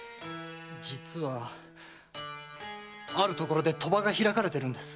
実はある所で賭場が開かれているんです。